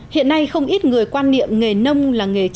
hiện nay không ít người quan niệm nghề nông là người nông